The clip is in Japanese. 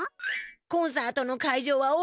コンサートの会場は大きい。